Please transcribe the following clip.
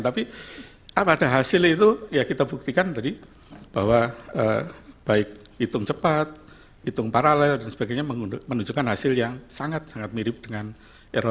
tapi pada hasil itu ya kita buktikan tadi bahwa baik hitung cepat hitung paralel dan sebagainya menunjukkan hasil yang sangat sangat mirip dengan eropa